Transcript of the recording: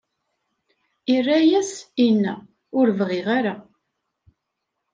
Irra-as, inna: Ur bɣiɣ ara.